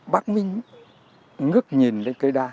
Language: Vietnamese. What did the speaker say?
bác mới ngước nhìn lên cây đa